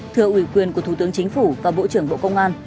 thưa ủy quyền của thủ tướng chính phủ và bộ trưởng bộ công an